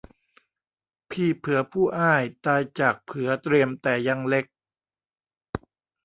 พี่เผือผู้อ้ายตายจากเผือเตรียมแต่ยังเล็ก